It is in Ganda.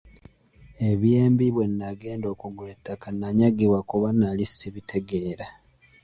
Eby'embi bwe nagenda okugula ettaka, nanyagibwa kuba nnali sibitegeera.